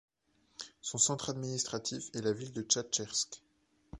Son centre administratif est la ville de Tchatchersk.